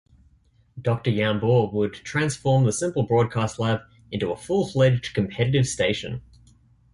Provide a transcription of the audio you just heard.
Doctor Yambor would transform the simple broadcast lab into a full-fledged competitive station.